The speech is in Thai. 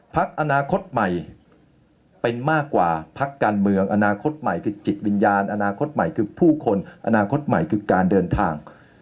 พักอนาคตใหม่เป็นมากกว่าพักการเมืองอนาคตใหม่คือจิตวิญญาณอนาคตใหม่คือผู้คนอนาคตใหม่คือการเดินทาง